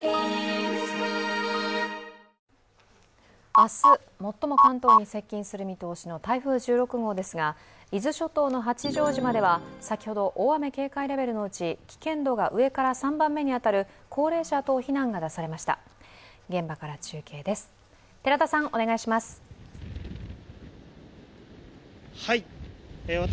明日最も関東に接近する見通しの台風１６号ですが、伊豆諸島の八丈島では先ほど大雨警戒レベルのうち危険度が上から３番目に当たる高齢者等避難が出されました。